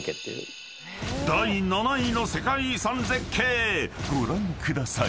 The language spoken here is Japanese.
［第７位の世界遺産絶景ご覧ください］